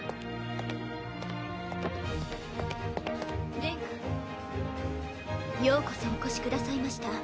殿下ようこそお越しくださいました。